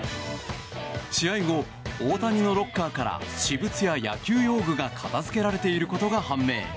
試合後、大谷のロッカーから私物や野球用具が片付けられていたことが判明。